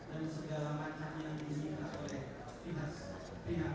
dengan kesehatan dengan keinginan